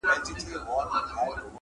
د میني ترانې وایی پخپل لطیفه ژبه.